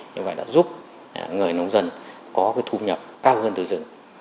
như vậy đã giúp người nông dân có cái thu nhập cao hơn từ rừng